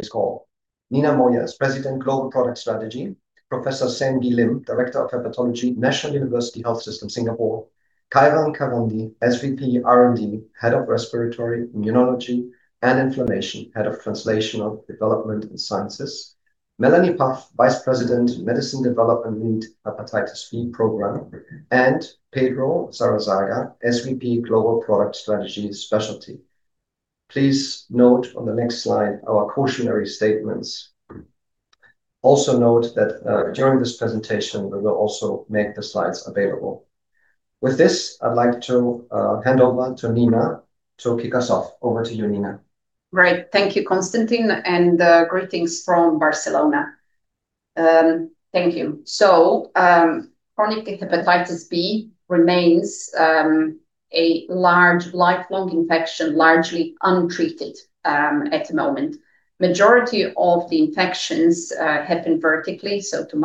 This call. Nina Mojas, President, Global Product Strategy. Professor Seng Gee Lim, Director of Hepatology, National University Health System, Singapore. Kaivan Khavandi, SVP, R&D, Head of Respiratory, Immunology & Inflammation, Head of Translational Development and Sciences. Melanie Paff, Vice President, Medicine Development Lead, Hepatitis B Program. Pedro Zarazaga, SVP, Global Product Strategy Specialty. Please note on the next slide our cautionary statements. Also note that, during this presentation, we will also make the slides available. With this, I'd like to hand over to Nina to kick us off. Over to you, Nina. Right. Thank you, Constantin, and greetings from Barcelona. Thank you. Chronic hepatitis B remains a large, lifelong infection, largely untreated at the moment. Majority of the infections happen vertically, so from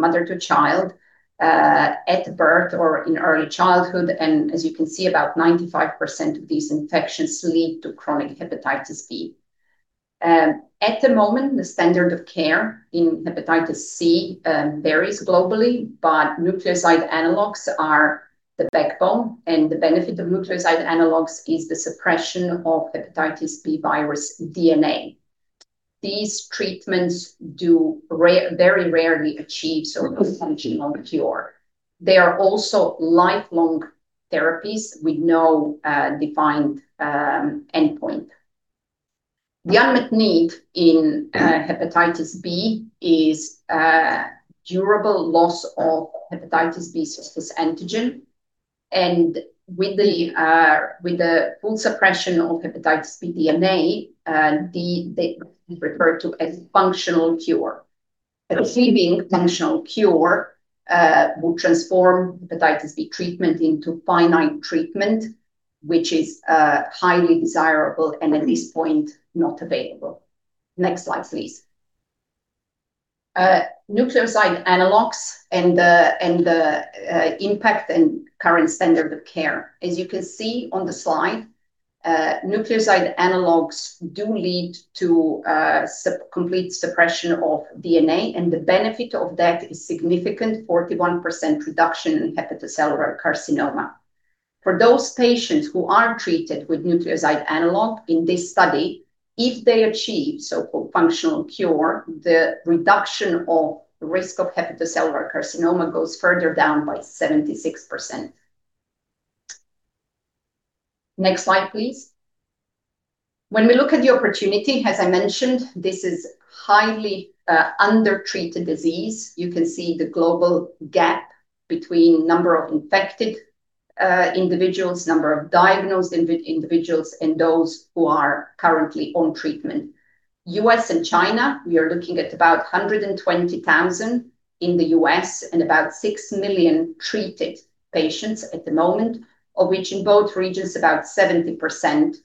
mother to child, at birth or in early childhood and as you can see, about 95% of these infections lead to chronic hepatitis B. At the moment, the standard of care in hepatitis C varies globally, but nucleoside analogues are the backbone, and the benefit of nucleoside analogues is the suppression of hepatitis B virus DNA. These treatments do very rarely achieve so-called functional cure. They are also lifelong therapies with no defined endpoint. The unmet need in hepatitis B is durable loss of hepatitis B surface antigen, and with the full suppression of hepatitis B DNA, they refer to as functional cure. Achieving functional cure will transform hepatitis B treatment into finite treatment, which is highly desirable and, at this point, not available. Next slide, please. Nucleoside analogues and the impact and current standard of care. As you can see on the slide, nucleoside analogues do lead to complete suppression of HBV DNA. The benefit of that is significant, 41% reduction in hepatocellular carcinoma. For those patients who are treated with nucleoside analogue in this study, if they achieve so-called functional cure, the reduction of risk of hepatocellular carcinoma goes further down by 76%. Next slide, please. When we look at the opportunity, as I mentioned, this is highly undertreated disease. You can see the global gap between number of infected individuals, number of diagnosed individuals, and those who are currently on treatment. U.S. and China, we are looking at about 120,000 in the U.S. and about 6 million treated patients at the moment, of which in both regions, about 70%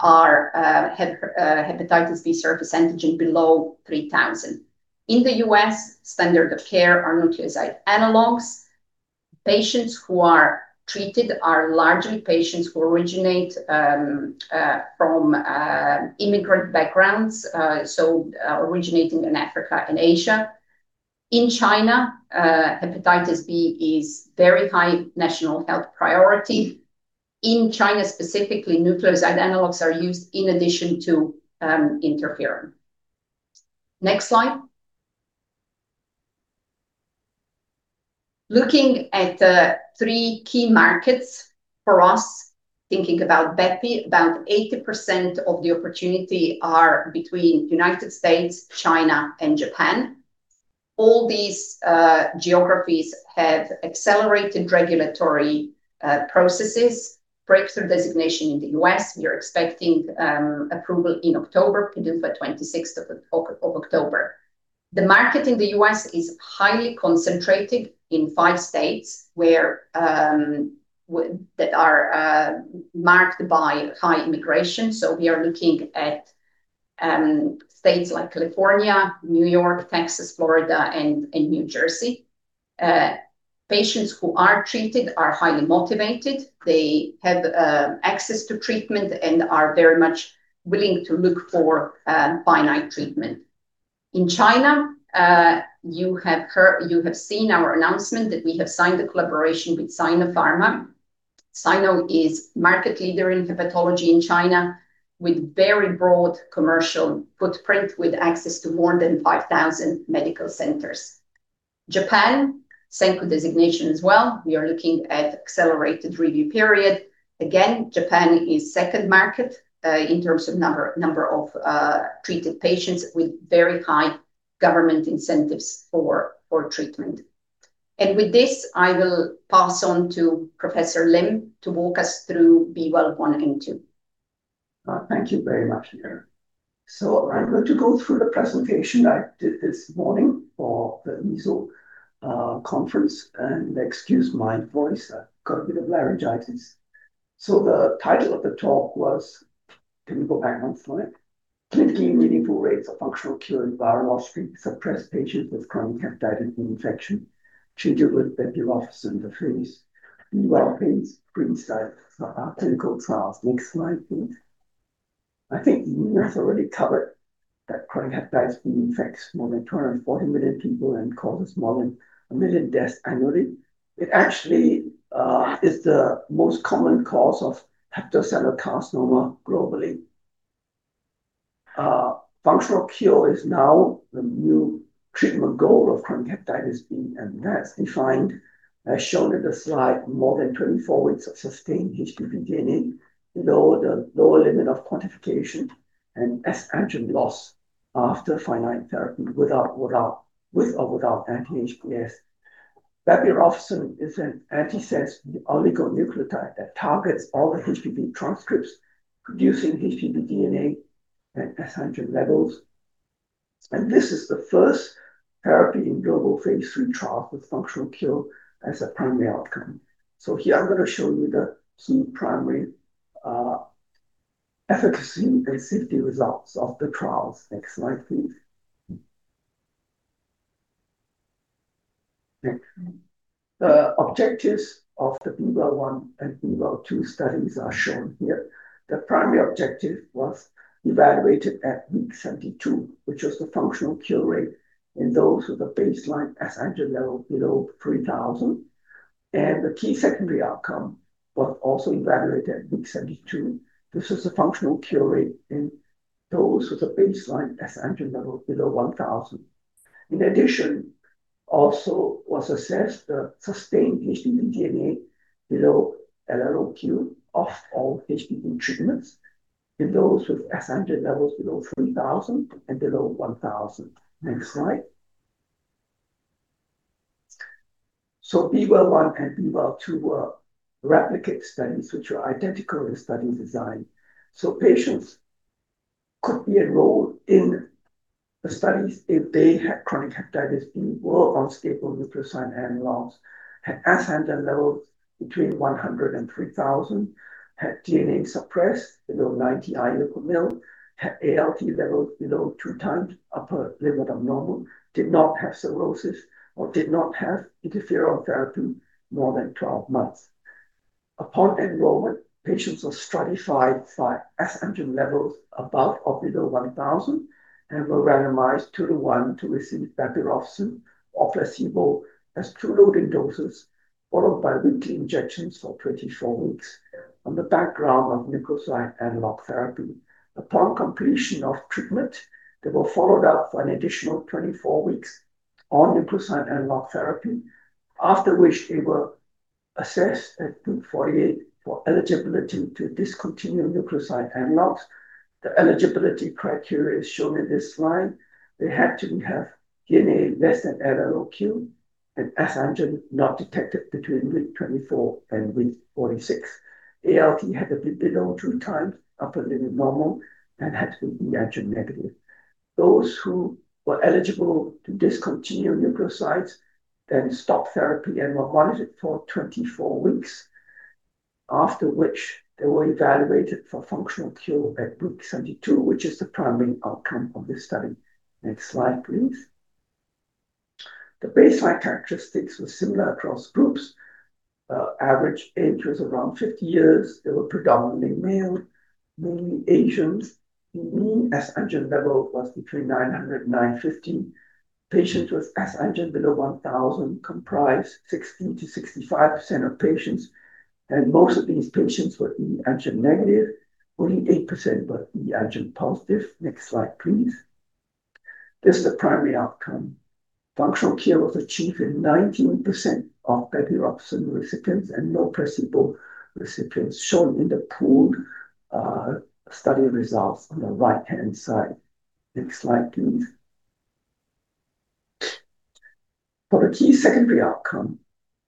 have hepatitis B surface antigen below 3,000. In the U.S., standard of care are nucleoside analogues. Patients who are treated are largely patients who originate from immigrant backgrounds, so originating in Africa and Asia. In China, hepatitis B is very high national health priority. In China specifically, nucleoside analogues are used in addition to interferon. Next slide. Looking at the three key markets for us, thinking about bepi, about 80% of the opportunity are between United States, China, and Japan. All these geographies have accelerated regulatory processes, Breakthrough designation in the U.S. We are expecting approval in October, PDUFA 26th of October. The market in the U.S. is highly concentrated in five states that are marked by high immigration. We are looking at states like California, New York, Texas, Florida, and New Jersey. Patients who are treated are highly motivated. They have access to treatment and are very much willing to look for finite treatment. In China, you have seen our announcement that we have signed a collaboration with Sinopharm. Sino is market leader in hepatology in China with very broad commercial footprint, with access to more than 5,000 medical centers. Japan, SENKU designation as well. We are looking at accelerated review period. Again, Japan is second market in terms of number of treated patients with very high government incentives for treatment. With this, I will pass on to Professor Lim to walk us through B-Well 1 and 2. Thank you very much, Nina. I'm going to go through the presentation I did this morning for the EASL conference, and excuse my voice. I've got a bit of laryngitis. The title of the talk was Can you go back one slide? "Clinically Meaningful Rates of Functional Cure in Virologic Suppressed Patients with Chronic Hepatitis B infection Treated with bepirovirsen plus interferons. B-Well Studies, Pre-specified Sub Clinical Trials." Next slide, please. I think Nina has already covered that chronic hepatitis B affects more than 240 million people and causes more than 1 million deaths annually. It actually is the most common cause of hepatocellular carcinoma globally. Functional cure is now the new treatment goal of chronic hepatitis B, that's defined as shown in the slide, more than 24 weeks of sustained HBV DNA, below the lower limit of quantification and HBeAg loss after finite therapy with or without anti-HBs. Bepirovirsen is an antisense oligonucleotide that targets all the HBV transcripts, reducing HBV DNA and HBeAg levels. This is the first therapy in global phase III trials with functional cure as a primary outcome. Here I'm going to show you the key primary efficacy and safety results of the trials. Next slide, please. Next. The objectives of the B-Well 1 and B-Well 2 studies are shown here. The primary objective was evaluated at week 72, which was the functional cure rate in those with a baseline HBeAg level below 3,000. The key secondary outcome was also evaluated at week 72. This is the functional cure rate in those with a baseline HBeAg level below 1,000. In addition, also was assessed the sustained HBV DNA below LLOQ off all HBV treatments in those with HBeAg levels below 3,000 and below 1,000. Next slide. B-Well 1 and B-Well 2 were replicate studies which were identical in study design. Patients could be enrolled in the studies if they had chronic hepatitis B, were on stable nucleoside analogues, had HBeAg levels between 100 and 3,000, had DNA suppressed below 90 IU/mL, had ALT levels below two times upper limit of normal, did not have cirrhosis, or did not have interferon therapy more than 12 months. Upon enrollment, patients were stratified by HBeAg levels above or below 1,000 and were randomized two to one to receive bepirovirsen or placebo as two loading doses, followed by weekly injections for 24 weeks on the background of nucleos(t)ide analogue therapy. Upon completion of treatment, they were followed up for an additional 24 weeks on nucleos(t)ide analogue therapy, after which they were assessed at week 48 for eligibility to discontinue nucleosides. The eligibility criteria is shown in this slide. They had to have DNA less than LLOQ and HBeAg not detected between week 24 and week 46. ALT had to be below 2x upper limit normal and had to be HBeAg negative. Those who were eligible to discontinue nucleosides, then stop therapy and were monitored for 24 weeks, after which they were evaluated for functional cure at week 72, which is the primary outcome of this study. Next slide, please. The baseline characteristics were similar across groups. Average age was around 50 years. They were predominantly male, mainly Asians. The mean HBeAg level was between 900 and 950. Patients with HBeAg below 1,000 comprised 60%-65% of patients, and most of these patients were HBeAg negative. Only 8% were HBeAg positive. Next slide, please. This is the primary outcome. Functional cure was achieved in 91% of bepirovirsen recipients and no placebo recipients, shown in the pooled study results on the right-hand side. Next slide, please. For the key secondary outcome,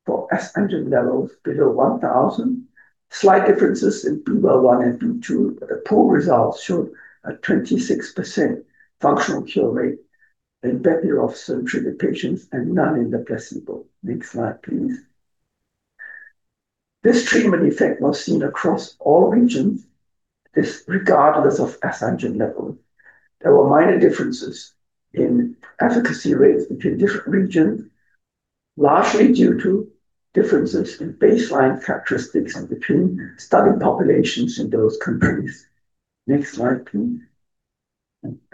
for HBeAg levels below 1,000, slight differences in B-Well 1 and B-Well 2, but the pool results showed a 26% functional cure rate in bepirovirsen-treated patients and none in the placebo. Next slide, please. This treatment effect was seen across all regions, regardless of HBeAg level. There were minor differences in efficacy rates between different regions, largely due to differences in baseline characteristics between study populations in those countries. Next slide, please.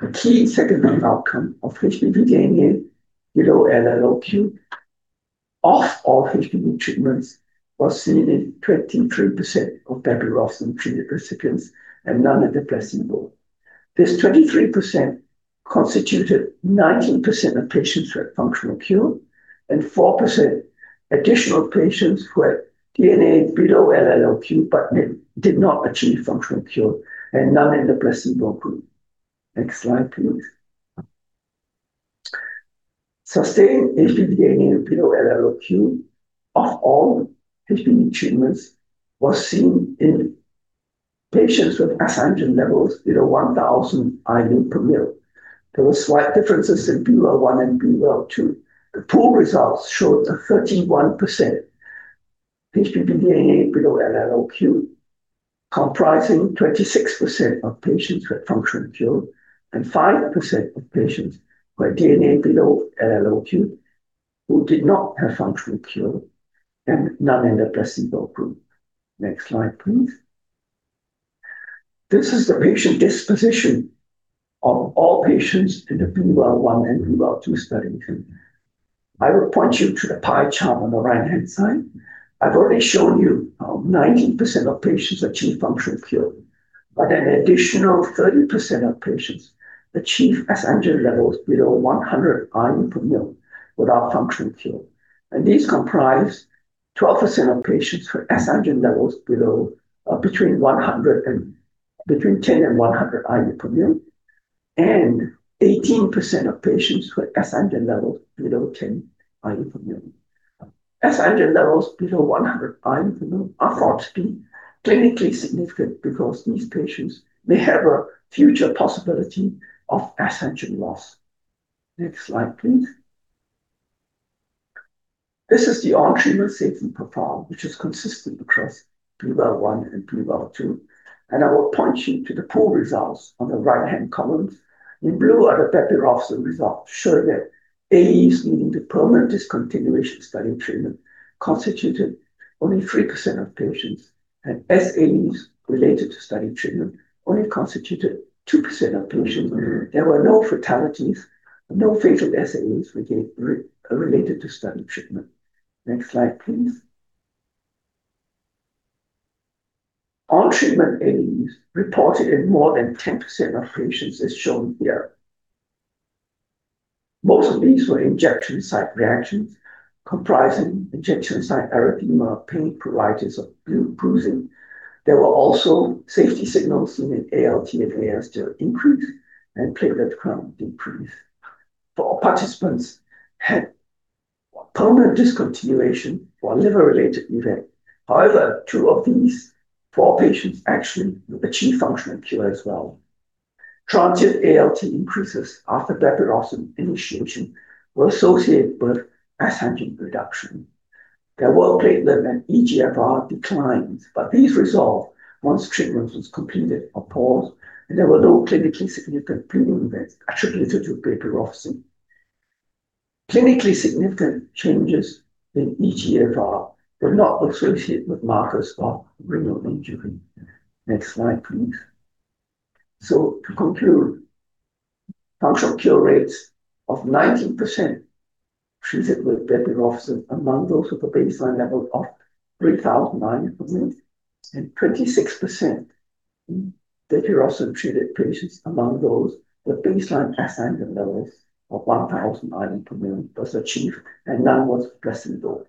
The key secondary outcome of HBV DNA below LLOQ of all HBV treatments was seen in 23% of bepirovirsen treated recipients and none in the placebo. This 23% constituted 19% of patients who had functional cure and 4% additional patients who had DNA below LLOQ but did not achieve functional cure, and none in the placebo group. Next slide, please. Sustained HBV DNA below LLOQ of all HBV treatments was seen in patients with HBeAg levels below 1,000 IU per mL. There were slight differences in B-Well 1 and B-Well 2. The pool results showed a 31% HBV DNA below LLOQ, comprising 26% of patients who had functional cure and 5% of patients who had DNA below LLOQ who did not have functional cure. None in the placebo group. Next slide, please. This is the patient disposition of all patients in the B-Well 1 and B-Well 2 study. I will point you to the pie chart on the right-hand side. I've already shown you how 19% of patients achieve functional cure, but an additional 30% of patients achieve S antigen levels below 100 IU per ml with our functional cure. These comprise 12% of patients for S antigen levels between 10 and 100 IU per ml, and 18% of patients who had S antigen levels below 10 IU per ml. S antigen levels below 100 IU per ml are thought to be clinically significant because these patients may have a future possibility of S antigen loss. Next slide, please. This is the on-treatment safety profile, which is consistent across B-Well 1 and B-Well 2, and I will point you to the full results on the right-hand columns. In blue are the bepirovirsen results, show that AEs leading to permanent discontinuation of study treatment constituted only 3% of patients, and SAEs related to study treatment only constituted 2% of patients. There were no fatalities, no fatal SAEs related to study treatment. Next slide, please. On-treatment AEs reported in more than 10% of patients is shown here. Most of these were injection site reactions comprising injection site erythema, pain, pruritus, or bruising. There were also safety signals in the ALT and AST increase and platelet count decrease. Four participants had permanent discontinuation for a liver-related event. However, two of these four patients actually achieved functional cure as well. Transient ALT increases after bepirovirsen initiation were associated with S antigen reduction. There were platelet and eGFR declines, but these resolved once treatment was completed or paused, and there were no clinically significant bleeding events attributed to bepirovirsen. Clinically significant changes in eGFR were not associated with markers of renal injury. Next slide, please. To conclude, functional cure rates of 19% treated with bepirovirsen among those with a baseline level of 3,000 IU per ml, and 26% bepirovirsen-treated patients among those with baseline S antigen levels of 1,000 IU per ml was achieved, and none was placebo.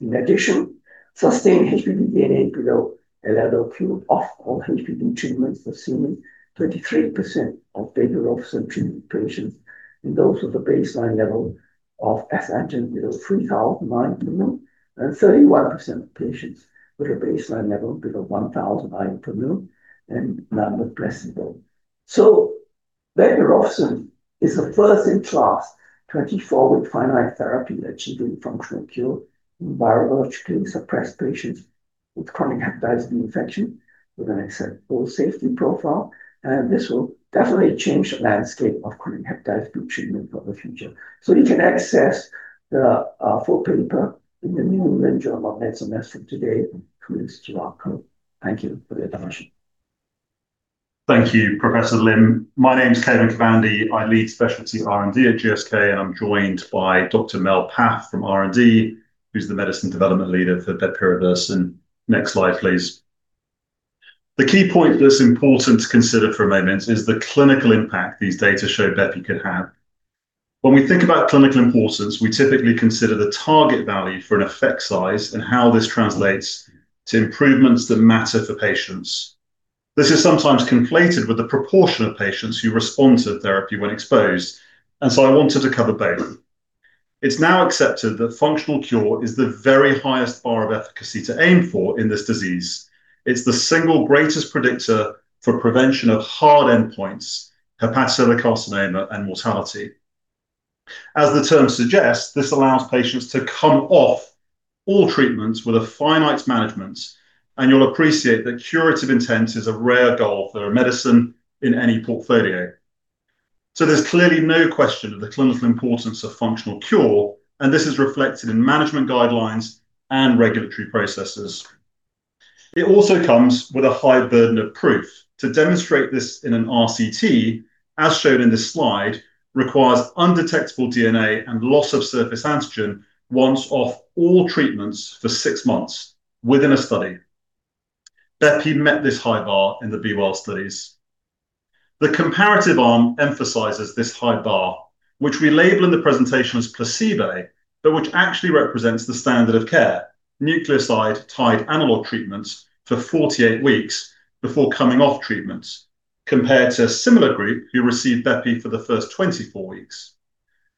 In addition, sustained HBV DNA below LLOQ off all HBV treatments was seen in 33% of bepirovirsen treated patients in those with a baseline level of S antigen below 3,000 IU per ml, and 31% of patients with a baseline level below 1,000 IU per ml, and none with placebo. Bepirovirsen is a first-in-class 24-week finite therapy achieving functional cure in virologically suppressed patients with chronic hepatitis B infection with an acceptable safety profile. This will definitely change the landscape of chronic hepatitis B treatment for the future. You can access the full paper in the New England Journal of Medicine as from today, 20th of October. Thank you for your attention. Thank you, Professor Lim. My name's Kaivan Khavandi. I lead specialty R&D at GSK, and I'm joined by Dr. Mel Paff from R&D, who's the medicine development leader for bepirovirsen. Next slide, please. The key point that's important to consider for a moment is the clinical impact these data show bepi could have. When we think about clinical importance, we typically consider the target value for an effect size and how this translates to improvements that matter for patients. This is sometimes conflated with the proportion of patients who respond to therapy when exposed, and so I wanted to cover both. It's now accepted that functional cure is the very highest bar of efficacy to aim for in this disease. It's the single greatest predictor for prevention of hard endpoints, hepatocellular carcinoma, and mortality. As the term suggests, this allows patients to come off all treatments with a finite management, and you'll appreciate that curative intent is a rare goal for a medicine in any portfolio. There's clearly no question of the clinical importance of functional cure, and this is reflected in management guidelines and regulatory processes. It also comes with a high burden of proof. To demonstrate this in an RCT, as shown in this slide, requires undetectable DNA and loss of surface antigen once off all treatments for six months within a study. Bepi met this high bar in the B-Well studies. The comparative arm emphasizes this high bar, which we label in the presentation as placebo, but which actually represents the standard of care. Nucleos(t)ide analogue treatments for 48 weeks before coming off treatments, compared to a similar group who received bepi for the first 24 weeks.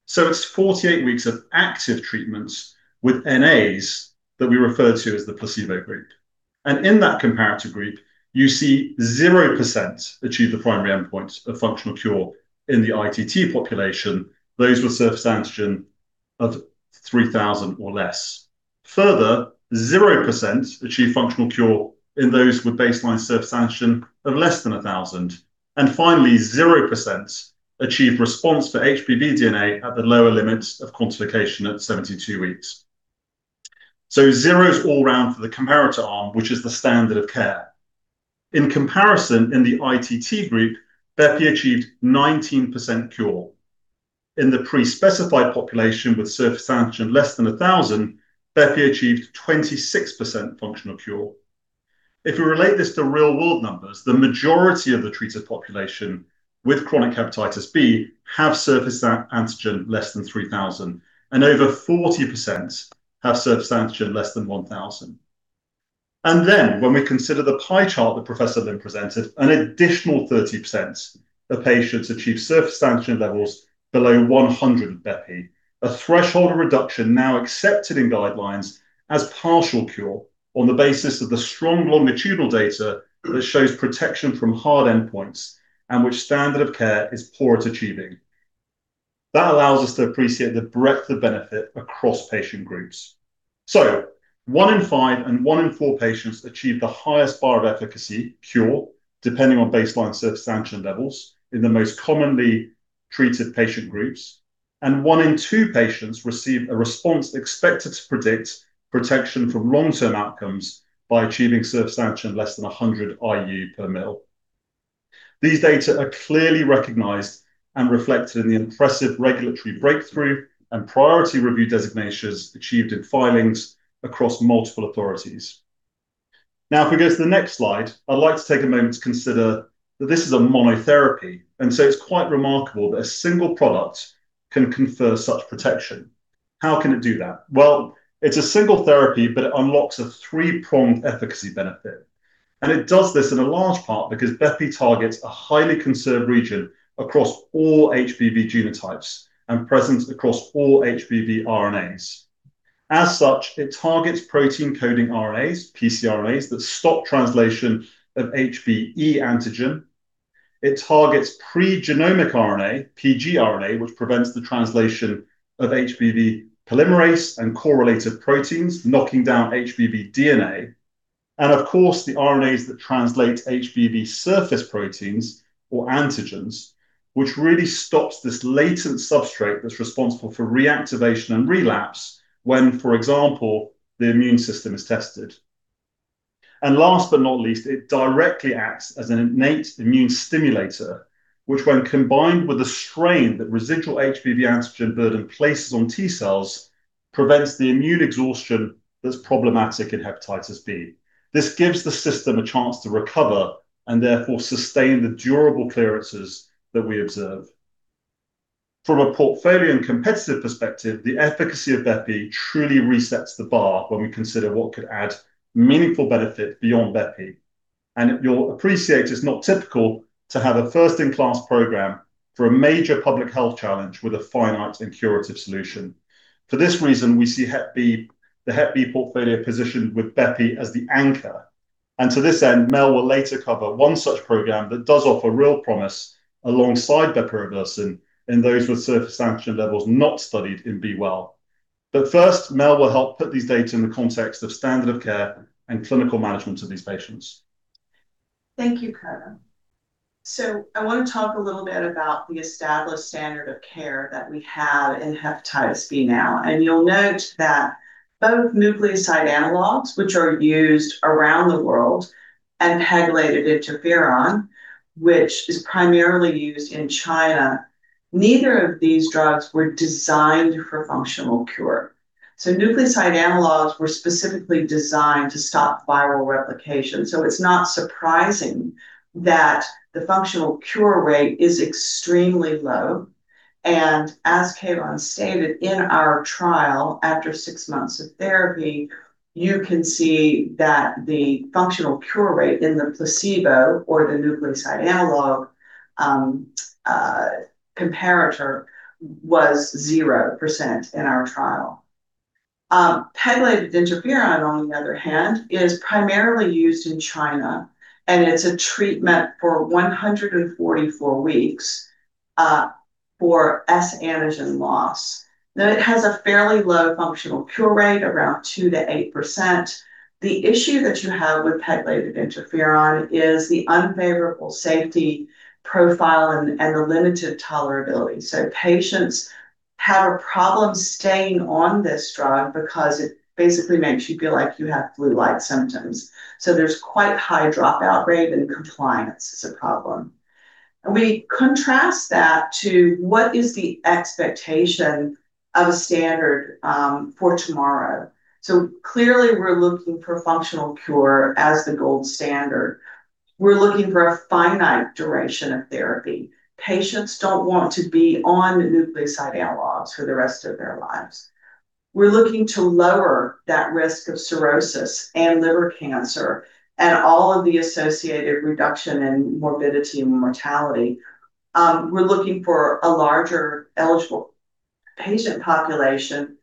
It's 48 weeks of active treatments with NAs that we refer to as the placebo group. In that comparative group, you see 0% achieve the primary endpoint of functional cure in the ITT population, those with surface antigen of 3,000 or less. Further, 0% achieve functional cure in those with baseline surface antigen of less than 1,000. Finally, 0% achieved response for HBV DNA at the lower limit of quantification at 72 weeks. Zero is all round for the comparator arm, which is the standard of care. In comparison, in the ITT group, bepi achieved 19% cure. In the pre-specified population with surface antigen less than 1,000, bepi achieved 26% functional cure. If we relate this to real-world numbers, the majority of the treated population with chronic hepatitis B have surface antigen less than 3,000, and over 40% have surface antigen less than 1,000. When we consider the pie chart that Professor Lim presented, an additional 30% of patients achieve surface antigen levels below 100 of bepi, a threshold of reduction now accepted in guidelines as partial cure on the basis of the strong longitudinal data that shows protection from hard endpoints and which standard of care is poor at achieving. That allows us to appreciate the breadth of benefit across patient groups. One in five and one in four patients achieve the highest bar of efficacy, cure, depending on baseline surface antigen levels in the most commonly treated patient groups, and one in two patients receive a response expected to predict protection from long-term outcomes by achieving surface antigen less than 100 IU per ml. These data are clearly recognized and reflected in the impressive regulatory Breakthrough and Priority Review designations achieved in filings across multiple authorities. If we go to the next slide, I'd like to take a moment to consider that this is a monotherapy. It's quite remarkable that a single product can confer such protection. How can it do that? It's a single therapy. It unlocks a three-pronged efficacy benefit. It does this in a large part because bepi targets a highly conserved region across all HBV genotypes and present across all HBV RNAs. As such, it targets protein-coding RNAs, pcRNAs, that stop translation of HBe antigen. It targets pre-genomic RNA, pgRNA, which prevents the translation of HBV polymerase and correlated proteins, knocking down HBV DNA. The RNAs that translate HBV surface proteins or antigens, which really stops this latent substrate that's responsible for reactivation and relapse when, for example, the immune system is tested. Last but not least, it directly acts as an innate immune stimulator, which when combined with the strain that residual HBV antigen burden places on T-cells, prevents the immune exhaustion that's problematic in hepatitis B. This gives the system a chance to recover, and therefore, sustain the durable clearances that we observe. From a portfolio and competitive perspective, the efficacy of bepi truly resets the bar when we consider what could add meaningful benefit beyond bepi. You'll appreciate it's not typical to have a first-in-class program for a major public health challenge with a finite and curative solution. For this reason, we see the hep B portfolio positioned with bepi as the anchor. To this end, Mel will later cover one such program that does offer real promise alongside bepirovirsen in those with surface antigen levels not studied in B-Well. First, Mel will help put these data in the context of standard of care and clinical management of these patients. Thank you, Kaivan. I want to talk a little bit about the established standard of care that we have in hepatitis B now. You'll note that both nucleoside analogues, which are used around the world, and pegylated interferon, which is primarily used in China, neither of these drugs were designed for functional cure. Nucleoside analogues were specifically designed to stop viral replication, so it's not surprising that the functional cure rate is extremely low. As Kaivan stated in our trial, after six months of therapy, you can see that the functional cure rate in the placebo or the nucleoside analogue, comparator was 0% in our trial. Pegylated interferon, on the other hand, is primarily used in China, and it's a treatment for 144 weeks, for S antigen loss. It has a fairly low functional cure rate, around 2%-8%. The issue that you have with pegylated interferon is the unfavorable safety profile and the limited tolerability. Patients have a problem staying on this drug because it basically makes you feel like you have flu-like symptoms. There's quite high dropout rate, and compliance is a problem. We contrast that to what is the expectation of a standard for tomorrow. Clearly we're looking for a functional cure as the gold standard. We're looking for a finite duration of therapy. Patients don't want to be on nucleoside analogues for the rest of their lives. We're looking to lower that risk of cirrhosis and liver cancer and all of the associated reduction in morbidity and mortality. We're looking for a larger eligible patient population,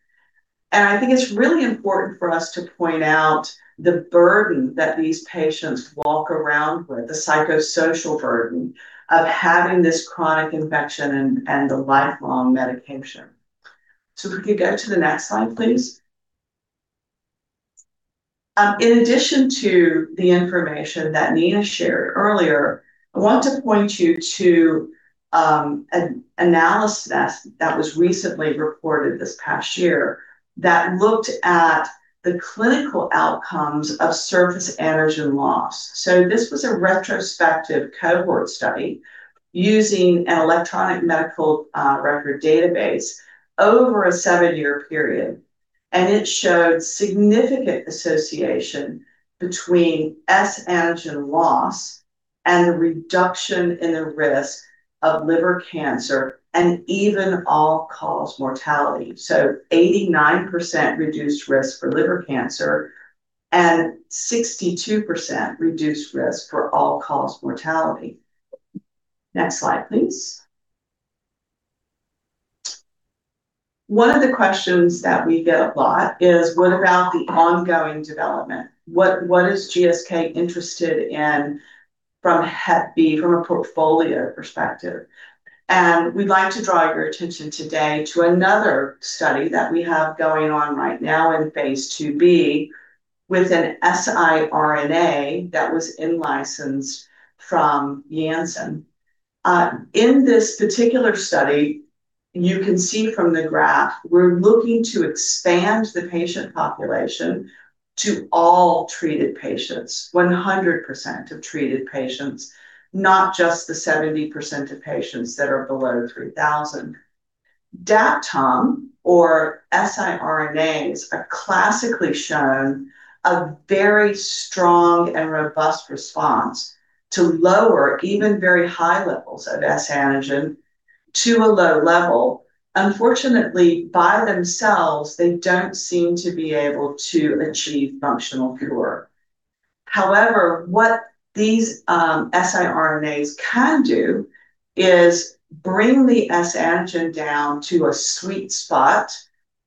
and I think it's really important for us to point out the burden that these patients walk around with, the psychosocial burden of having this chronic infection and the lifelong medication. Could we go to the next slide, please? In addition to the information that Nina shared earlier, I want to point you to an analysis that was recently reported this past year that looked at the clinical outcomes of surface antigen loss. This was a retrospective cohort study using an electronic medical record database over a seven-year period, and it showed significant association between HBsAg loss and the reduction in the risk of liver cancer and even all-cause mortality. 89% reduced risk for liver cancer and 62% reduced risk for all-cause mortality. Next slide, please. One of the questions that we get a lot is: What about the ongoing development? What is GSK interested in from hep B, from a portfolio perspective? We'd like to draw your attention today to another study that we have going on right now in phase IIb with an siRNA that was in-licensed from Janssen. In this particular study, you can see from the graph, we're looking to expand the patient population to all treated patients, 100% of treated patients, not just the 70% of patients that are below 3,000. Daptom or siRNAs have classically shown a very strong and robust response to lower even very high levels of HBsAg to a low level. Unfortunately, by themselves, they don't seem to be able to achieve functional cure. What these siRNAs can do is bring the HBsAg down to a sweet spot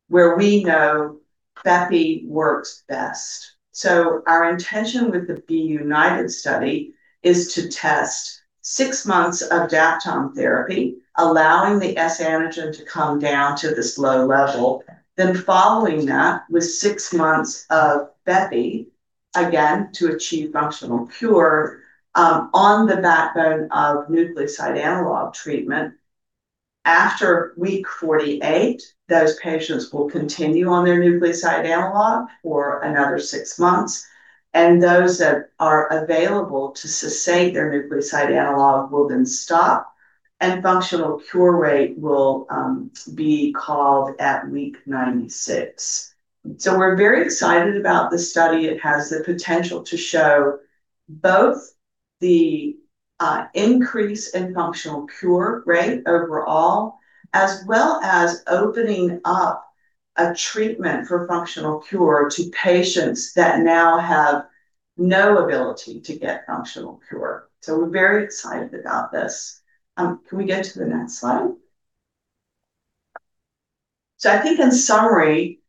where we know bepi works best. Our intention with the B-United Study is to test six months of daptomycin therapy, allowing the S antigen to come down to this low level. Following that with six months of bepi, again, to achieve functional cure, on the backbone of nucleoside analog treatment. After week 48, those patients will continue on their nucleoside analog for another six months, and those that are available to sustain their nucleoside analog will then stop, and functional cure rate will be called at week 96. We're very excited about this study. It has the potential to show both the increase in functional cure rate overall, as well as opening up a treatment for functional cure to patients that now have no ability to get functional cure. We're very excited about this. Can we get to the next slide? I think in summary,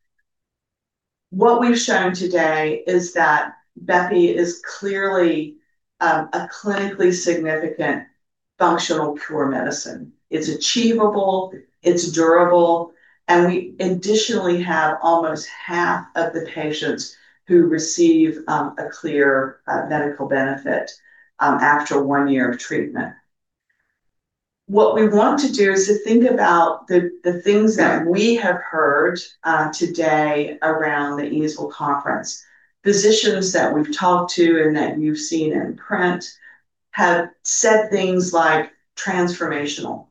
what we've shown today is that bepi is clearly a clinically significant functional cure medicine. It's achievable, it's durable, and we additionally have almost half of the patients who receive a clear medical benefit after one year of treatment. What we want to do is to think about the things that we have heard today around the EASL Conference. Physicians that we've talked to and that you've seen in print have said things like transformational,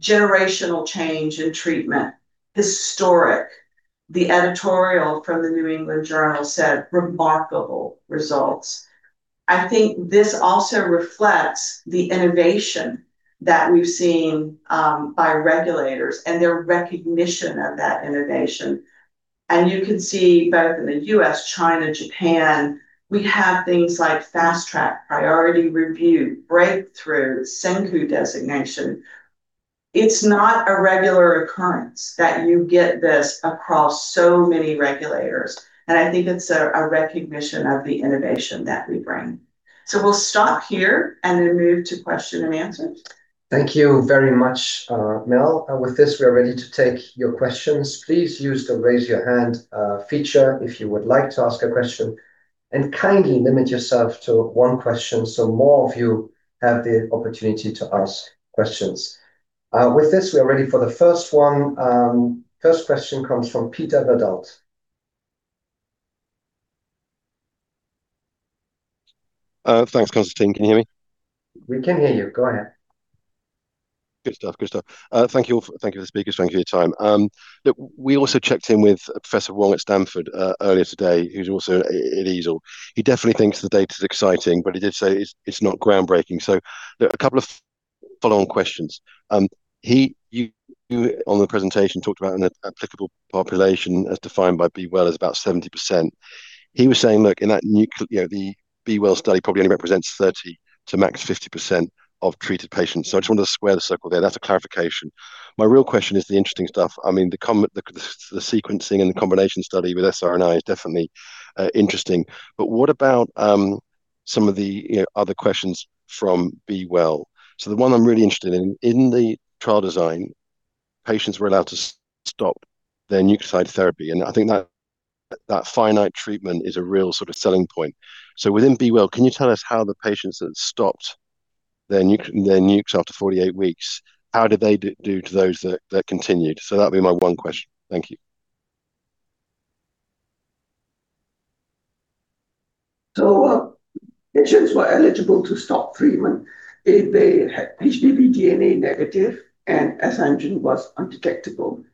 generational change in treatment, historic. The editorial from the New England Journal said remarkable results. I think this also reflects the innovation that we've seen by regulators and their recognition of that innovation. You can see both in the U.S., China, Japan, we have things like Fast Track, Priority Review, Breakthrough, SENKU designation. It's not a regular occurrence that you get this across so many regulators, and I think it's a recognition of the innovation that we bring. We'll stop here and then move to question-and-answer. Thank you very much, Mel. With this, we are ready to take your questions. Please use the raise your hand feature if you would like to ask a question, and kindly limit yourself to one question so more of you have the opportunity to ask questions. With this, we are ready for the first one. First question comes from Peter Verdult. Thanks, Constantin. Can you hear me? We can hear you. Go ahead. Good stuff. Thank you. Thank you to the speakers. Thank you for your time. Look, we also checked in with Professor Wong at Stanford earlier today, who's also at EASL. He definitely thinks the data's exciting, but he did say it's not groundbreaking. A couple of follow-on questions. You on the presentation talked about an applicable population as defined by B-Well as about 70%. He was saying, look, in that the B-Well study probably only represents 30% to max 50% of treated patients. I just wanted to square the circle there. That's a clarification. My real question is the interesting stuff. The sequencing and the combination study with siRNA is definitely interesting. What about some of the other questions from B-Well? The one I'm really interested in the trial design patients were allowed to stop their nucleoside therapy. I think that finite treatment is a real selling point. Within B-Well, can you tell us how the patients that stopped their nucs after 48 weeks, how did they do to those that continued? That'd be my one question. Thank you. Patients were eligible to stop treatment if they had HBV DNA negative and S antigen was undetectable,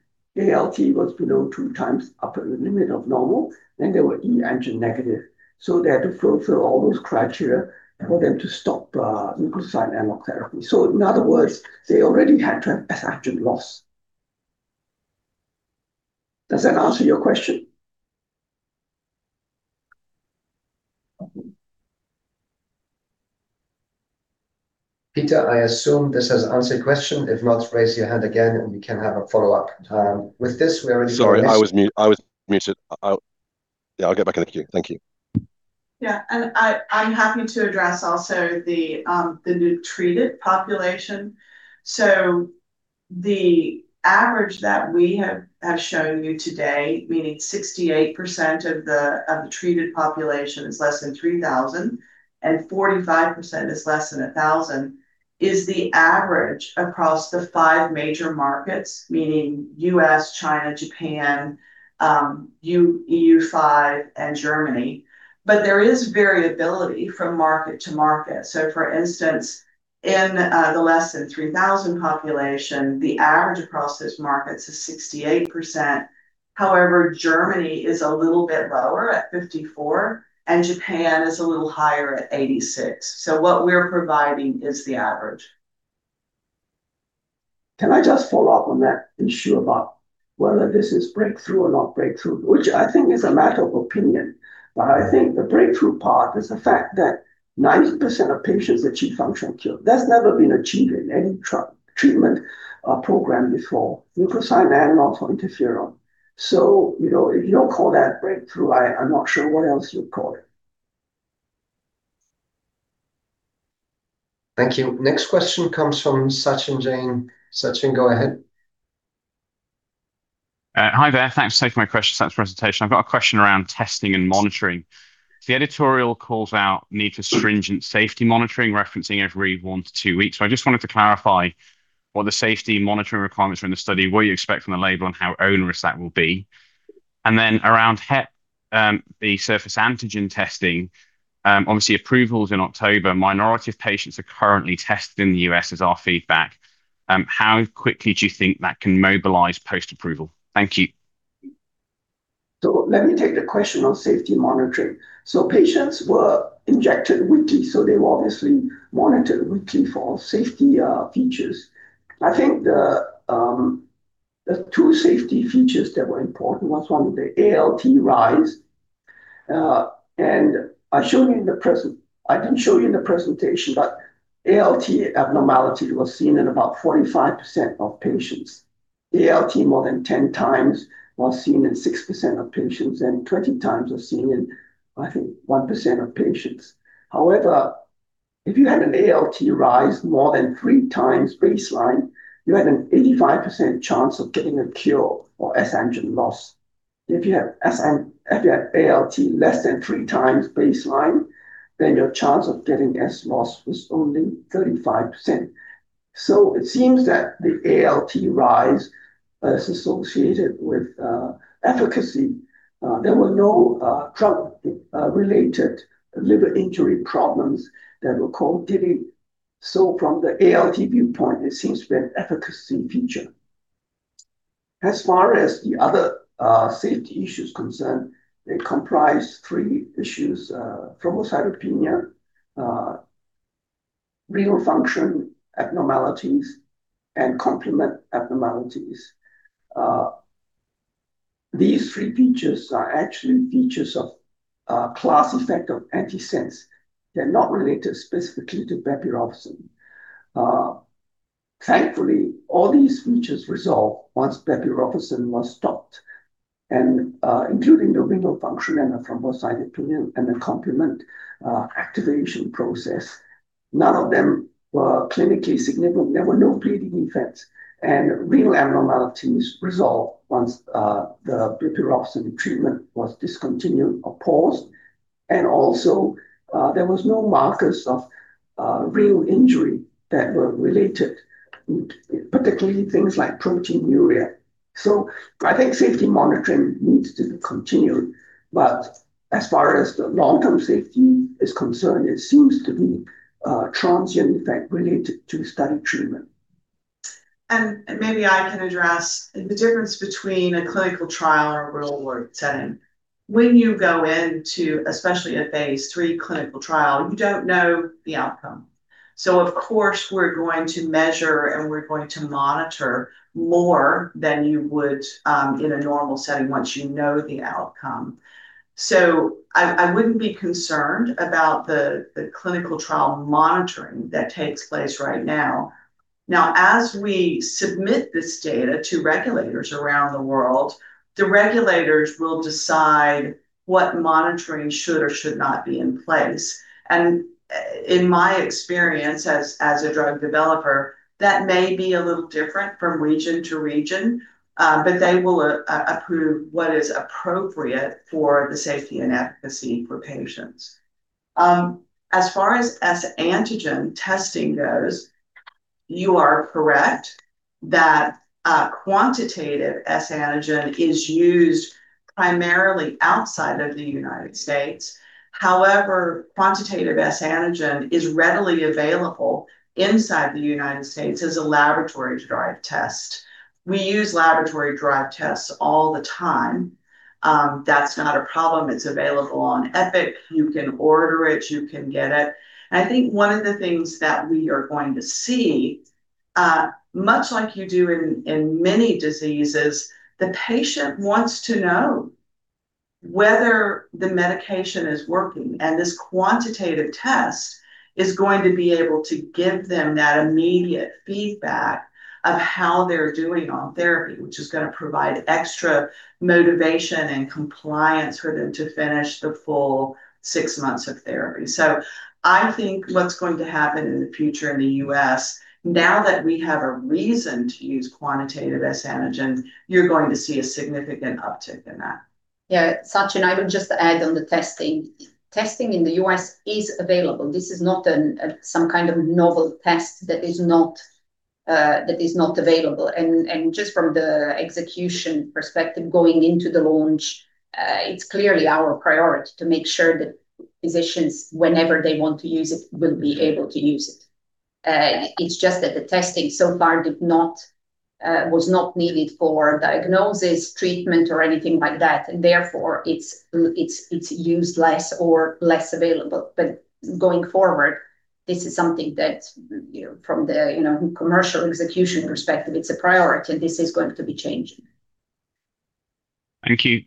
ALT was below two times upper limit of normal, and they were e antigen negative. They had to fulfill all those criteria for them to stop nucleoside analogue therapy. In other words, they already had to have S antigen loss. Does that answer your question? Peter, I assume this has answered your question. If not, raise your hand again, and we can have a follow-up. Sorry, I was muted. Yeah, I'll get back in the queue. Thank you. I'm happy to address also the nuc-treated population. The average that we have shown you today, meaning 68% of the treated population is less than 3,000, and 45% is less than 1,000, is the average across the five major markets, meaning U.S., China, Japan, EU5, and Germany. There is variability from market to market. For instance, in the less than 3,000 population, the average across those markets is 68%. However, Germany is a little bit lower at 54%, and Japan is a little higher at 86%. What we're providing is the average. Can I just follow up on that issue about whether this is breakthrough or not breakthrough, which I think is a matter of opinion. I think the breakthrough part is the fact that 90% of patients achieve functional cure. That's never been achieved in any treatment program before, nucleoside analog or interferon. If you don't call that breakthrough, I'm not sure what else you would call it. Thank you. Next question comes from Sachin Jain. Sachin, go ahead. Hi there. Thanks for taking my question. Thanks for presentation. I've got a question around testing and monitoring. The editorial calls out need for stringent safety monitoring, referencing every one to two weeks. I just wanted to clarify what the safety monitoring requirements were in the study, what you expect from the label, and how onerous that will be. Around hep B, the surface antigen testing, obviously approval's in October, minority of patients are currently tested in the U.S. is our feedback. How quickly do you think that can mobilize post-approval? Thank you. Let me take the question on safety monitoring. Patients were injected weekly, so they were obviously monitored weekly for safety features. I think there's two safety features that were important. One was the ALT rise. I didn't show you in the presentation, but ALT abnormality was seen in about 45% of patients. ALT more than 10x was seen in 6% of patients, and 20x was seen in, I think, 1% of patients. However, if you had an ALT rise more than 3x baseline, you had an 85% chance of getting a cure or S antigen loss. If you had ALT less than 3x baseline, then your chance of getting S loss was only 35%. It seems that the ALT rise is associated with efficacy. There were no drug-related liver injury problems that were contributed. From the ALT viewpoint, it seems to be an efficacy feature. As far as the other safety issues concerned, they comprise three issues: thrombocytopenia, renal function abnormalities, and complement abnormalities. These three features are actually features of class effect of antisense. They're not related specifically to bepirovirsen. Thankfully, all these features resolved once bepirovirsen was stopped, and including the renal function and the thrombocytopenia and the complement activation process. None of them were clinically significant. There were no bleeding events, and renal abnormalities resolved once the bepirovirsen treatment was discontinued or paused. Also, there was no markers of renal injury that were related, particularly things like proteinuria. I think safety monitoring needs to continue, but as far as the long-term safety is concerned, it seems to be a transient effect related to study treatment. Maybe I can address the difference between a clinical trial and a real-world setting. When you go into, especially a phase III clinical trial, you don't know the outcome. Of course, we're going to measure and we're going to monitor more than you would in a normal setting once you know the outcome. I wouldn't be concerned about the clinical trial monitoring that takes place right now. As we submit this data to regulators around the world, the regulators will decide what monitoring should or should not be in place. In my experience as a drug developer, that may be a little different from region to region, but they will approve what is appropriate for the safety and efficacy for patients. As far as HBsAg testing goes, you are correct that quantitative HBsAg is used primarily outside of the U.S. However, quantitative S/Antigen is readily available inside the U.S. as a laboratory-derived test. We use laboratory-derived tests all the time. That's not a problem. It's available on Epic. You can order it, you can get it. I think one of the things that we are going to see, much like you do in many diseases, the patient wants to know whether the medication is working, and this quantitative test is going to be able to give them that immediate feedback of how they're doing on therapy, which is going to provide extra motivation and compliance for them to finish the full six months of therapy. I think what's going to happen in the future in the U.S., now that we have a reason to use quantitative S/Antigen, you're going to see a significant uptick in that. Yeah. Sachin, I would just add on the testing. Testing in the U.S. is available. This is not some kind of novel test that is not available. Just from the execution perspective going into the launch, it's clearly our priority to make sure that physicians, whenever they want to use it, will be able to use it. It's just that the testing so far was not needed for diagnosis, treatment, or anything like that, and therefore it's used less or less available. Going forward, this is something that from the commercial execution perspective, it's a priority. This is going to be changing. Thank you.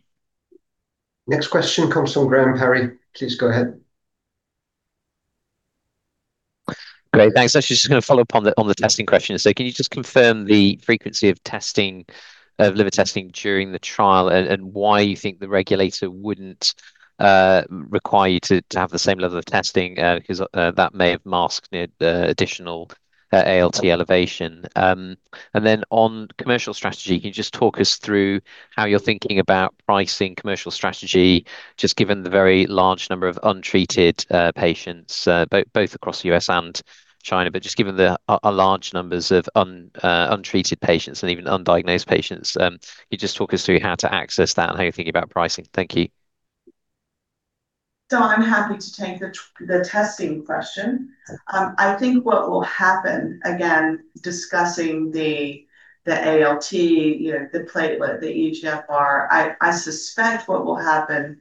Next question comes from Graham Parry, please go ahead. Great. Thanks. I was just going to follow up on the testing question. Can you just confirm the frequency of liver testing during the trial, and why you think the regulator wouldn't require you to have the same level of testing? That may have masked the additional ALT elevation. On commercial strategy, can you just talk us through how you're thinking about pricing commercial strategy, just given the very large number of untreated patients, both across the U.S. and China. Just given the large numbers of untreated patients and even undiagnosed patients, can you just talk us through how to access that and how you're thinking about pricing? Thank you. Graham, I'm happy to take the testing question. I think what will happen, again, discussing the ALT, the platelet, the eGFR. I suspect what will happen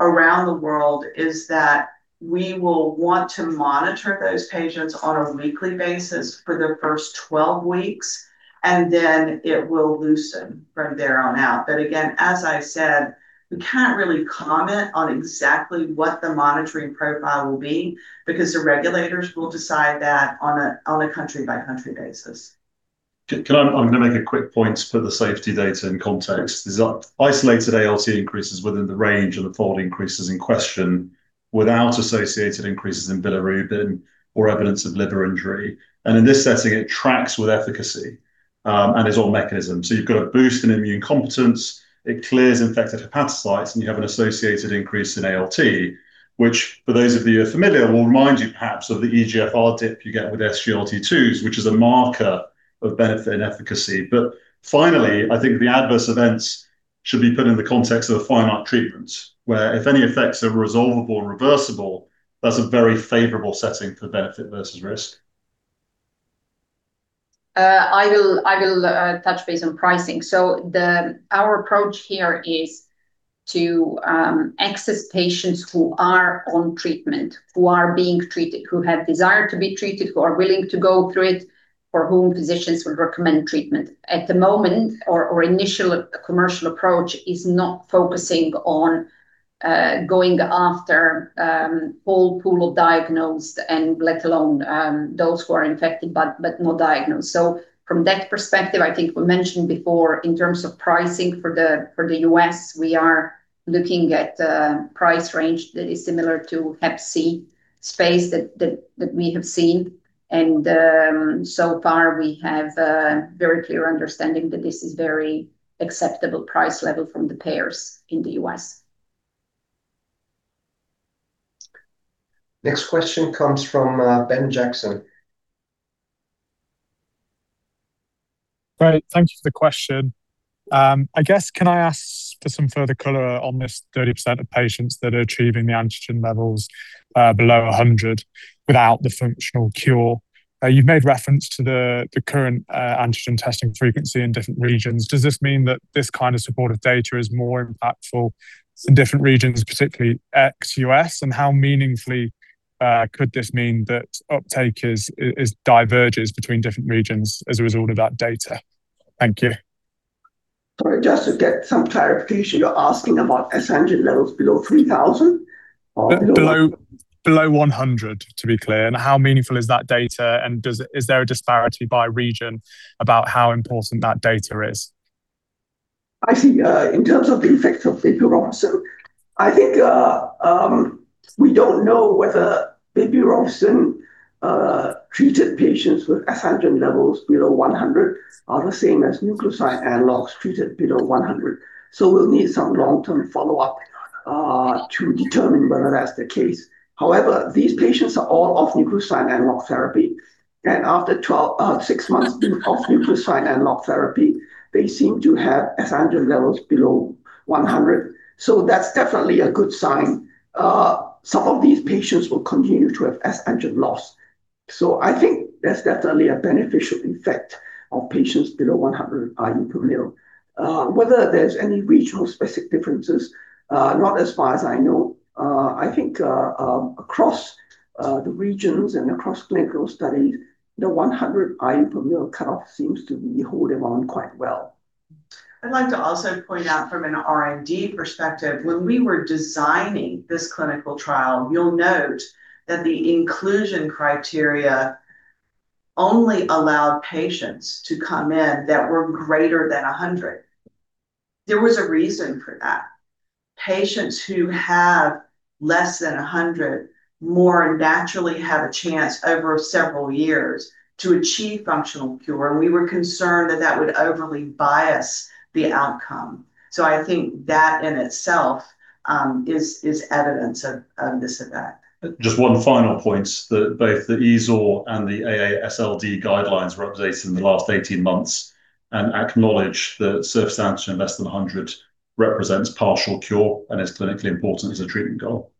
around the world is that we will want to monitor those patients on a weekly basis for the first 12 weeks, and then it will loosen from there on out. Again, as I said, we can't really comment on exactly what the monitoring profile will be because the regulators will decide that on a country-by-country basis. I'm going to make a quick point to put the safety data in context. These isolated ALT increases within the range of the fold increases in question without associated increases in bilirubin or evidence of liver injury. In this setting, it tracks with efficacy and is all mechanism. You've got a boost in immune competence. It clears infected hepatocytes, and you have an associated increase in ALT, which for those of you who are familiar, will remind you perhaps of the eGFR dip you get with SGLT2s, which is a marker of benefit and efficacy. Finally, I think the adverse events should be put in the context of a finite treatment where if any effects are resolvable or reversible, that's a very favorable setting for benefit versus risk. I will touch base on pricing. Our approach here is to access patients who are on treatment, who are being treated, who have desire to be treated, who are willing to go through it, for whom physicians would recommend treatment. At the moment, our initial commercial approach is not focusing on going after whole pool of diagnosed and let alone those who are infected but not diagnosed. From that perspective, I think I mentioned before in terms of pricing for the U.S., we are looking at a price range that is similar to Hep C space that we have seen. So far we have a very clear understanding that this is very acceptable price level from the payers in the U.S. Next question comes from Ben Jackson. Great. Thank you for the question. I guess, can I ask for some further color on this 30% of patients that are achieving the antigen levels below 100 without the functional cure? You've made reference to the current antigen testing frequency in different regions. Does this mean that this kind of supportive data is more impactful in different regions, particularly ex-U.S.? How meaningfully could this mean that uptake is diverges between different regions as a result of that data? Thank you. Sorry, just to get some clarification, you're asking about HBsAg levels below 3,000 or below? Below 100, to be clear, how meaningful is that data, is there a disparity by region about how important that data is? I think in terms of the effects of bepirovirsen, I think we don't know whether bepirovirsen treated patients with S-antigen levels below 100 are the same as nucleoside analogs treated below 100. We'll need some long-term follow-up to determine whether that's the case. However, these patients are all off nucleoside analog therapy, and after six months off nucleoside analog therapy, they seem to have S-antigen levels below 100. That's definitely a good sign. Some of these patients will continue to have S-antigen loss. I think that's definitely a beneficial effect of patients below 100 IU/mL. Whether there's any regional specific differences, not as far as I know. I think, across the regions and across clinical studies, the 100 IU/mL cutoff seems to be holding on quite well. I'd like to also point out from an R&D perspective, when we were designing this clinical trial, you'll note that the inclusion criteria only allowed patients to come in that were greater than 100. There was a reason for that. Patients who have less than 100 more naturally have a chance over several years to achieve functional cure, and we were concerned that that would overly bias the outcome. I think that in itself, is evidence of this effect. Just one final point, that both the EASL and the AASLD guidelines were updated in the last 18 months and acknowledge that surface antigen less than 100 represents partial cure and is clinically important as a treatment goal.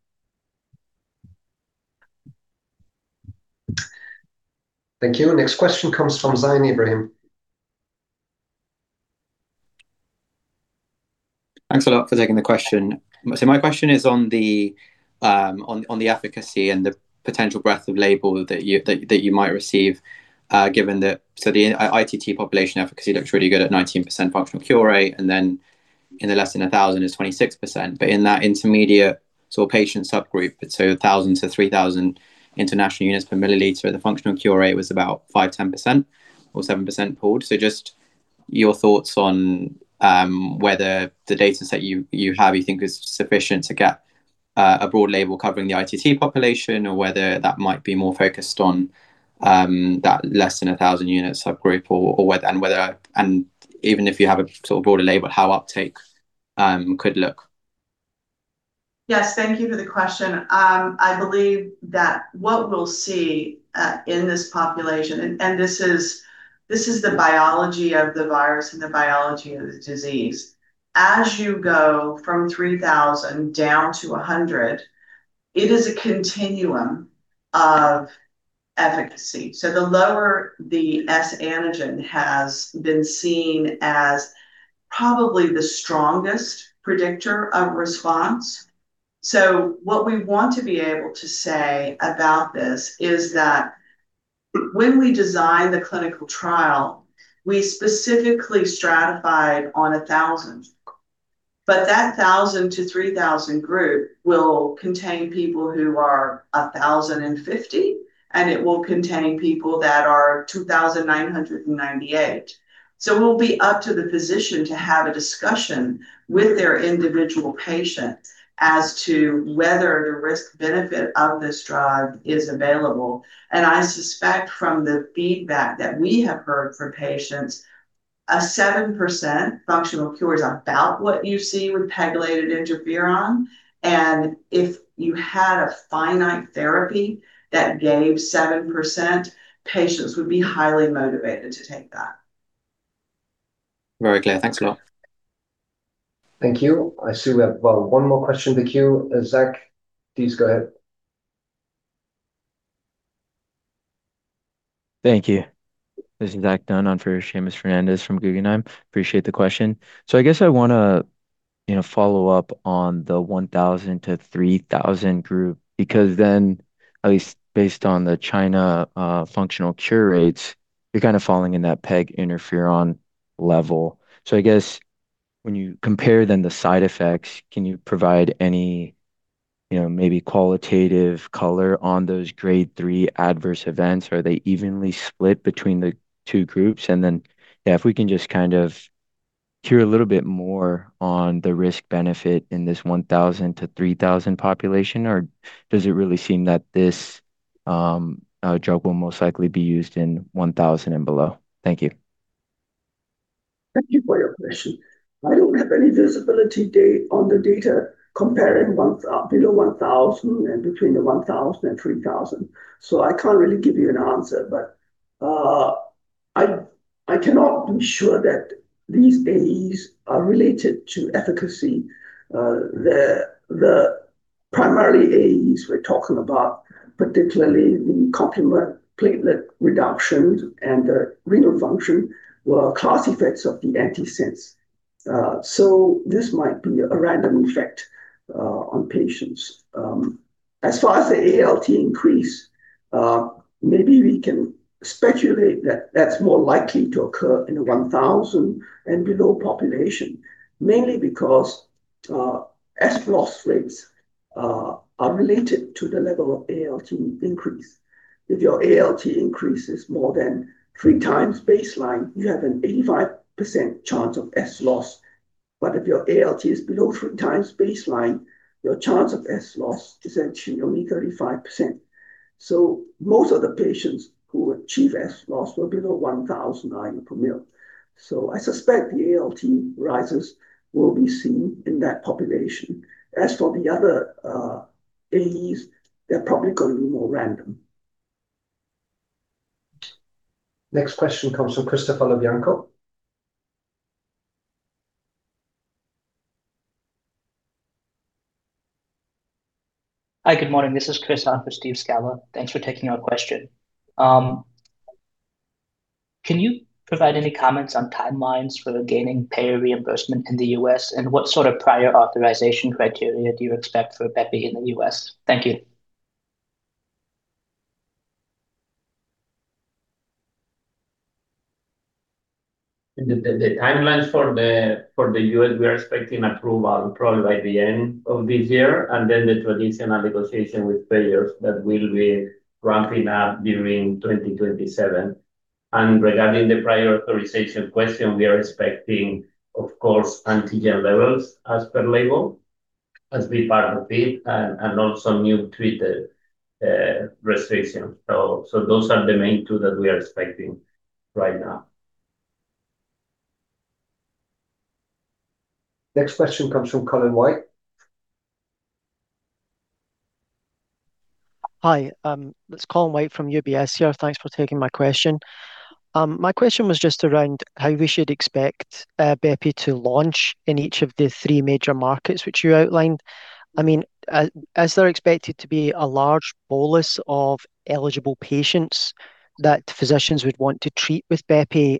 Thank you. Next question comes from Zain Ibrahim. Thanks a lot for taking the question. My question is on the efficacy and the potential breadth of label that you might receive, given that the ITT population efficacy looks really good at 19% functional cure rate, and then in the less than 1,000 is 26%. In that intermediate sort of patient subgroup, 1,000-3,000 international units per milliliter, the functional cure rate was about 5%, 10% or 7% pooled. Just your thoughts on whether the data set you have you think is sufficient to get a broad label covering the ITT population or whether that might be more focused on that less than 1,000 unit subgroup, and even if you have a sort of broader label, how uptake could look. Yes, thank you for the question. I believe that what we'll see in this population, and this is the biology of the virus and the biology of the disease. As you go from 3,000 down to 100, it is a continuum of efficacy. The lower the S antigen has been seen as probably the strongest predictor of response. What we want to be able to say about this is that when we designed the clinical trial, we specifically stratified on 1,000. That 1,000-3,000 group will contain people who are 1,050, and it will contain people that are 2,998. It will be up to the physician to have a discussion with their individual patient as to whether the risk-benefit of this drug is available. I suspect from the feedback that we have heard from patients, a 7% functional cure is about what you see with pegylated interferon. If you had a finite therapy that gave 7%, patients would be highly motivated to take that. Very clear. Thanks a lot. Thank you. I see we have, well, one more question in the queue. Zach, please go ahead. Thank you. This is Zach Dunn on for Seamus Fernandez from Guggenheim. Appreciate the question. I guess I want to follow up on the 1,000-3,000 group, because then at least based on the China functional cure rates, you're kind of falling in that peg interferon level. I guess when you compare then the side effects, can you provide any maybe qualitative color on those grade 3 adverse events? Are they evenly split between the two groups? If we can just kind of hear a little bit more on the risk-benefit in this 1,000-3,000 population, or does it really seem that this drug will most likely be used in 1,000 and below? Thank you. Thank you for your question. I don't have any visibility date on the data comparing below 1,000 and between the 1,000 and 3,000, so I can't really give you an answer. I cannot be sure that these AEs are related to efficacy. The primary AEs we're talking about, particularly the complement platelet reduction and the renal function, were class effects of the antisense. This might be a random effect on patients. As far as the ALT increase, maybe we can speculate that that's more likely to occur in a 1,000 and below population, mainly because S loss rates. Are related to the level of ALT increase. If your ALT increase is more than 3x baseline, you have an 85% chance of S-loss. If your ALT is below 3x baseline, your chance of S-loss is actually only 35%. Most of the patients who achieve S-loss were below 1,000 IU per mL. I suspect the ALT rises will be seen in that population. As for the other AEs, they're probably going to be more random. Next question comes from Christopher Lovienko. Hi, good morning. This is Chris on for Steve Scala. Thanks for taking our question. Can you provide any comments on timelines for gaining payer reimbursement in the U.S., and what sort of prior authorization criteria do you expect for bepi in the U.S.? Thank you. The timelines for the U.S., we are expecting approval probably by the end of this year, and then the traditional negotiation with payers that will be ramping up during 2027. Regarding the prior authorization question, we are expecting, of course, antigen levels as per label, as be part of it, and also new treated restrictions. Those are the main two that we are expecting right now. Next question comes from Colin White. Hi, it's Colin White from UBS here. Thanks for taking my question. My question was just around how we should expect bepi to launch in each of the three major markets which you outlined. Is there expected to be a large bolus of eligible patients that physicians would want to treat with bepi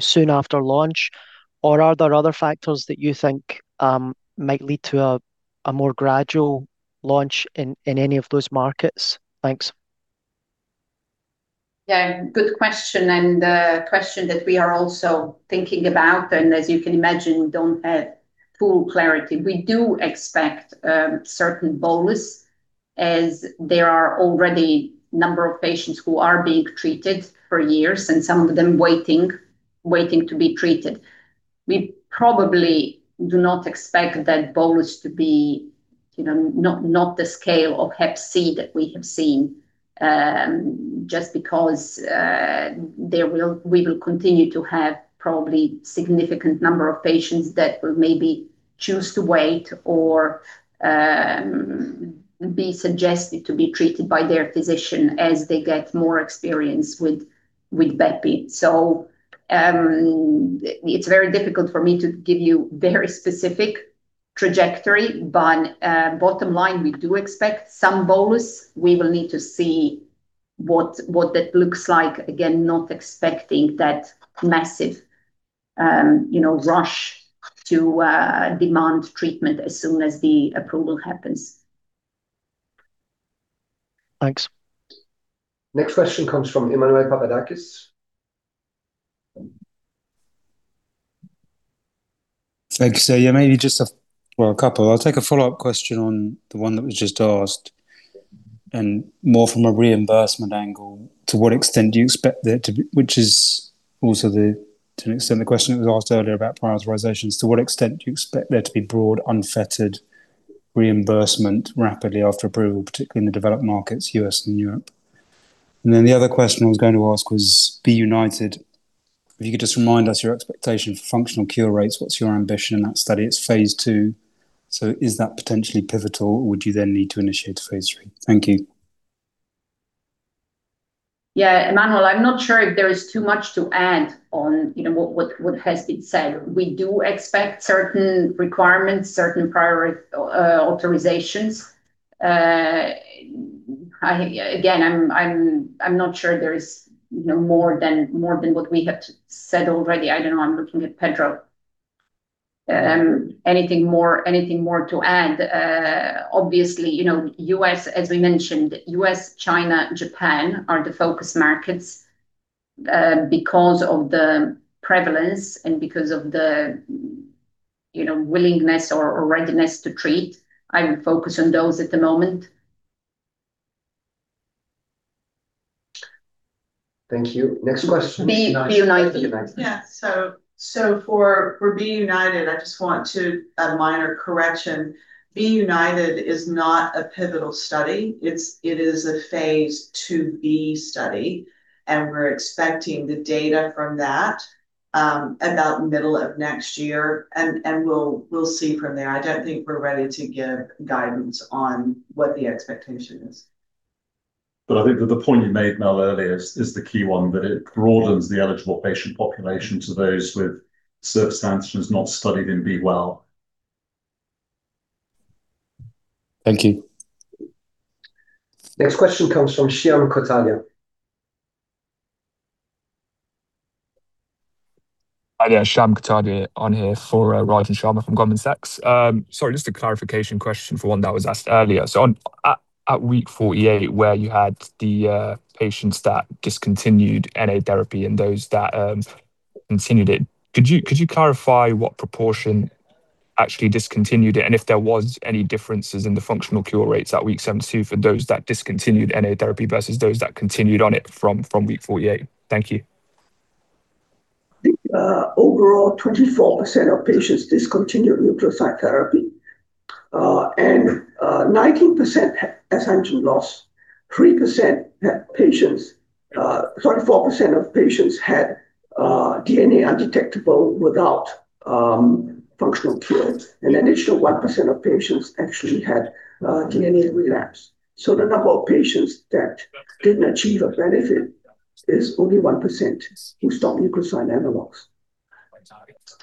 soon after launch? Are there other factors that you think might lead to a more gradual launch in any of those markets? Thanks. Yeah, good question. A question that we are also thinking about, and as you can imagine, we don't have full clarity. We do expect certain bolus, as there are already number of patients who are being treated for years, and some of them waiting to be treated. We probably do not expect that bolus to be. Not the scale of Hep C that we have seen, just because we will continue to have probably significant number of patients that will maybe choose to wait or be suggested to be treated by their physician as they get more experience with bepi. It's very difficult for me to give you very specific trajectory. Bottom line, we do expect some bolus. We will need to see what that looks like. Again, not expecting that massive rush to demand treatment as soon as the approval happens. Thanks. Next question comes from Emmanuel Papadakis. Thanks. Maybe just a couple. I'll take a follow-up question on the one that was just asked, and more from a reimbursement angle. Which is also, to an extent, the question that was asked earlier about prior authorizations. To what extent do you expect there to be broad, unfettered reimbursement rapidly after approval, particularly in the developed markets, U.S. and Europe? Then the other question I was going to ask was B-United. If you could just remind us your expectation for functional cure rates, what's your ambition in that study? It's phase II, so is that potentially pivotal or would you then need to initiate a phase III? Thank you. Yeah, Emmanuel, I'm not sure if there is too much to add on what has been said. We do expect certain requirements, certain prior authorizations. Again, I'm not sure there is more than what we have said already. I don't know. I'm looking at Pedro. Anything more to add? Obviously, as we mentioned, U.S., China, Japan are the focus markets because of the prevalence and because of the willingness or readiness to treat. I would focus on those at the moment. Thank you. Next question. B-United. B-United. Yeah. For B-United, a minor correction. B-United is not a pivotal study. It is a phase IIb study, and we're expecting the data from that about middle of next year, and we'll see from there. I don't think we're ready to give guidance on what the expectation is. I think that the point you made, Mel, earlier is the key one, that it broadens the eligible patient population to those with circumstances not studied in B-Well. Thank you. Next question comes from Shyam Kotadia. Hi, yeah. Shyam Kotadia on here for Rajan Sharma from Goldman Sachs. Sorry, just a clarification question for one that was asked earlier. At week 48, where you had the patients that discontinued NAs therapy and those that continued it. Could you clarify what proportion actually discontinued it, and if there was any differences in the functional cure rates at week 72 for those that discontinued NAs therapy versus those that continued on it from week 48? Thank you. I think, overall, 24% of patients discontinued nucleoside therapy, and 19% had S antigen loss. 34% of patients had DNA undetectable without functional cure. An additional 1% of patients actually had DNA relapse. The number of patients that didn't achieve a benefit is only 1% who stopped nucleoside analogues.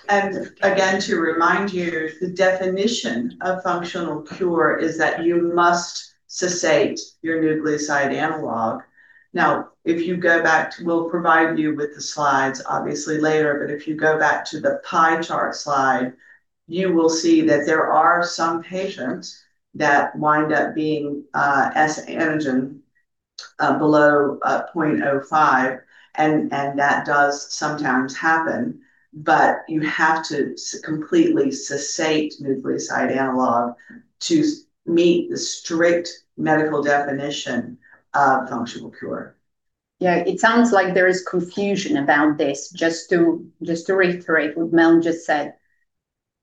Again, to remind you, the definition of functional cure is that you must cessate your nucleoside analogue. We'll provide you with the slides obviously later, but if you go back to the pie chart slide, you will see that there are some patients that wind up being S antigen below 0.05, and that does sometimes happen. You have to completely cessate nucleoside analogue to meet the strict medical definition of functional cure. Yeah. It sounds like there is confusion about this. Just to reiterate what Mel just said,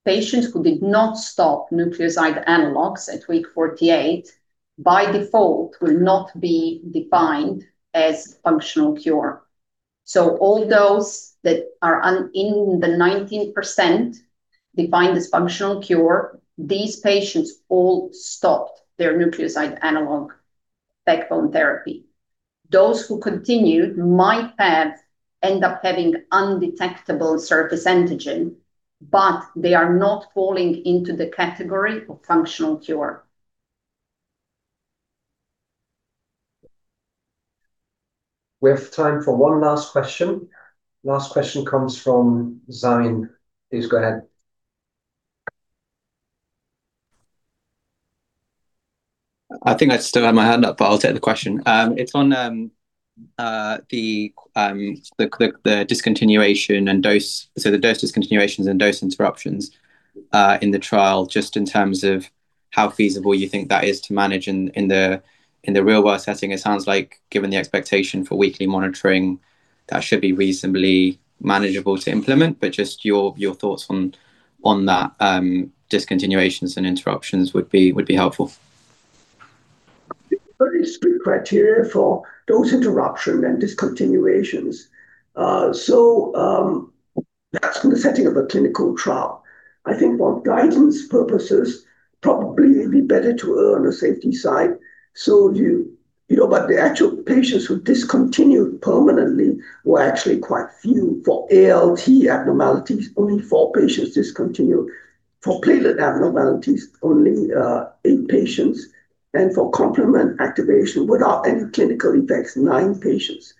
patients who did not stop nucleoside analogues at week 48, by default, will not be defined as functional cure. All those that are in the 19% defined as functional cure, these patients all stopped their nucleoside analogue backbone therapy. Those who continued might end up having undetectable surface antigen, but they are not falling into the category of functional cure. We have time for one last question. Last question comes from Zain. Please go ahead. I think I still have my hand up, but I'll take the question. It's on the discontinuation and dose. The dose discontinuations and dose interruptions in the trial, just in terms of how feasible you think that is to manage in the real-world setting. It sounds like given the expectation for weekly monitoring, that should be reasonably manageable to implement. Just your thoughts on that discontinuations and interruptions would be helpful. Very strict criteria for dose interruption and discontinuations. That's in the setting of a clinical trial. I think for guidance purposes, probably it'd be better to err on the safety side. The actual patients who discontinued permanently were actually quite few. For ALT abnormalities, only four patients discontinued. For platelet abnormalities, only eight patients. For complement activation without any clinical effects, nine patients.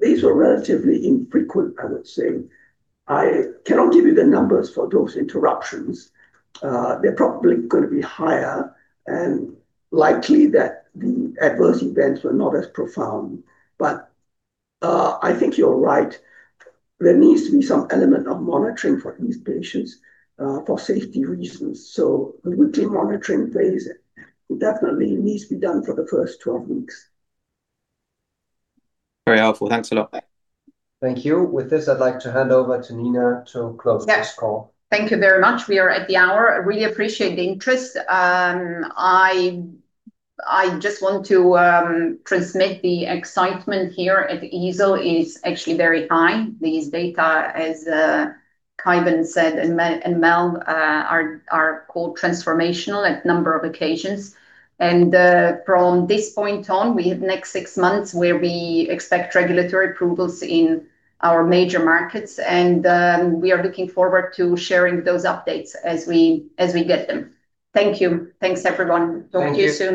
These were relatively infrequent, I would say. I cannot give you the numbers for dose interruptions. They're probably going to be higher and likely that the adverse events were not as profound. I think you're right. There needs to be some element of monitoring for these patients, for safety reasons. The weekly monitoring phase definitely needs to be done for the first 12 weeks. Very helpful. Thanks a lot. Thank you. With this, I'd like to hand over to Nina to close this call. Yeah. Thank you very much. We are at the hour. I really appreciate the interest. I just want to transmit the excitement here at EASL is actually very high. These data, as Kaivan said, and Mel, are called transformational at number of occasions. From this point on, we have next six months where we expect regulatory approvals in our major markets, and we are looking forward to sharing those updates as we get them. Thank you. Thanks, everyone. Thank you. Talk to you soon.